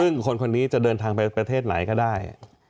ซึ่งคนคนนี้จะเดินทางไปประเทศไหนก็ได้